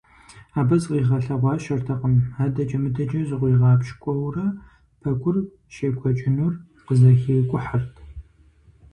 Абы зыкъигъэлъэгъуащэртэкъым – адэкӀэ-мыдэкӀэ зыкъуигъапщкӀуэурэ пэкӀур щекӀуэкӀынур къызэхикӀухьырт.